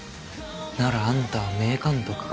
ならあんたは名監督か？